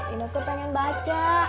ineke pengen baca